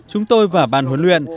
chúng tôi và bàn huấn luyện